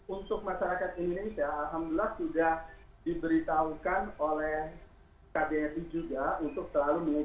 untuk masyarakat indonesia alhamdulillah sudah diberitahukan oleh kbri juga